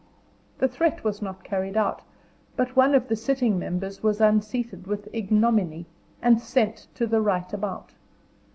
The threat was not carried out; but one of the sitting members was unseated with ignominy, and sent to the right about.